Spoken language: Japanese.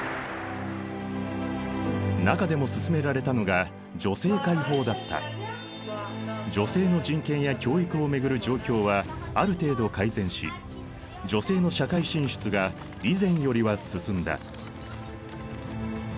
中でも進められたのが女性の人権や教育を巡る状況はある程度改善し女性の社会進出が以前よりは進んだ。